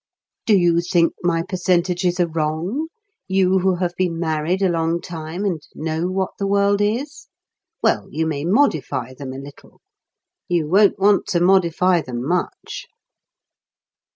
Do you think my percentages are wrong, you who have been married a long time and know what the world is? Well, you may modify them a little you won't want to modify them much.